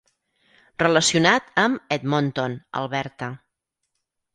Relacionat amb Edmonton, Alberta.